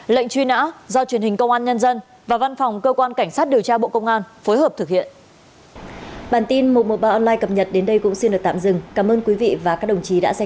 lệnh truy nã do truyền hình công an nhân dân và văn phòng cơ quan cảnh sát điều tra bộ công an phối hợp thực hiện